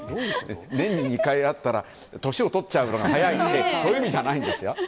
年に２回あったら年を取るのが早いってそういう意味じゃないんですよ。